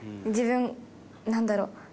自分なんだろう？